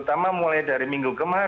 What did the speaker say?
terutama mulai dari minggu ke minggu